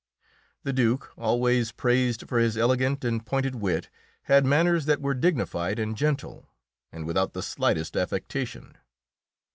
The Duke, always praised for his elegant and pointed wit, had manners that were dignified and gentle and without the slightest affectation.